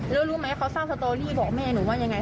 แล้วรู้ไหมเขาสร้างสตอรี่บอกแม่หนูว่ายังไง